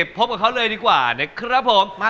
พบกับเขาเลยดีกว่านะครับผม